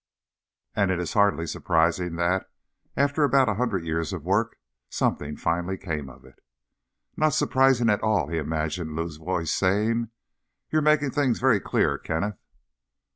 _ And it's hardly surprising that, after about a hundred years of work, something finally came of it. "Not surprising at all," he imagined Lou's voice saying. "You're making things very clear, Kenneth."